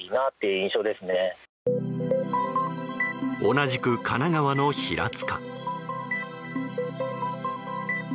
同じく神奈川県の平塚。